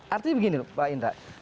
artinya begini pak indra